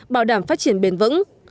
bảo đảm phát triển bền vững